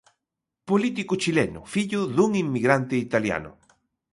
Político chileno, fillo dun inmigrante italiano.